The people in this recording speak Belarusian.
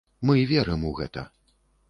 Мы верым у гэта.